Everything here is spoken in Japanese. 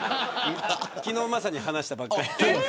昨日まさに話したばっかりです。